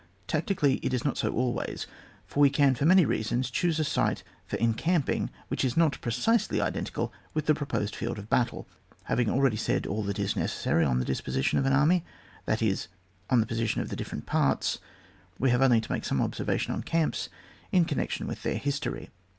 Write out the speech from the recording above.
Tactically, it is not so always, for we can, for many reasons, choose a site for en camping which is not precisely identical with the proposed field of battle. Having already said all that is necessary on the disposition of an army, that is, on the position of the different parts, we have only to make some observations on camps in connection with their history.